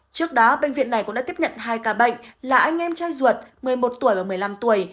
trước đó bệnh viện này cũng đã tiếp nhận hai ca bệnh là anh em trai ruột một mươi một tuổi và một mươi năm tuổi